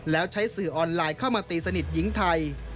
แล้วใช้สื่อออนไลน์เข้ามาตีสนิทหญิงไทย